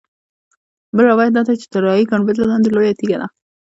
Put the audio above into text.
بل روایت دا دی چې تر طلایي ګنبدې لاندې لویه تیږه ده.